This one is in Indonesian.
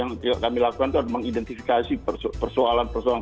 yang kami lakukan itu adalah mengidentifikasi persoalan persoalan